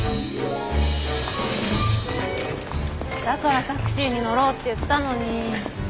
だからタクシーに乗ろうって言ったのに。